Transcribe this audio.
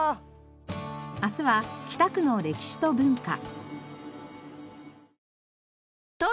明日は北区の歴史と文化。